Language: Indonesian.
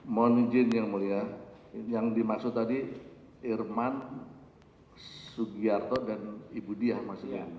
mohon izin yang mulia yang dimaksud tadi irman sugiarto dan ibu diah maksudnya